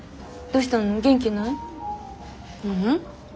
ううん。